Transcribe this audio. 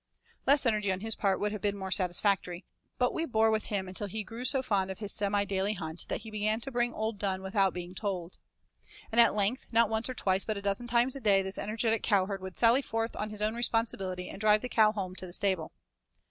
Less energy on his part would have been more satisfactory, but we bore with him until he grew so fond of this semi daily hunt that he began to bring 'old Dunne' without being told. And at length not once or twice but a dozen times a day this energetic cowherd would sally forth on his own responsibility and drive the cow home to the stable.